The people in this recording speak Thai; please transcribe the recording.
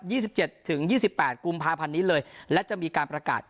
สิบเจ็ดถึงยี่สิบแปดกุมภาพันธ์นี้เลยและจะมีการประกาศ